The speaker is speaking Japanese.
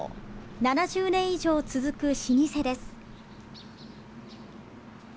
７０年以上続く老舗です。